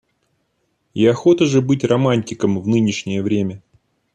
И охота же быть романтиком в нынешнее время!